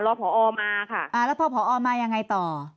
ผอมาค่ะอ่าแล้วพอผอมายังไงต่อ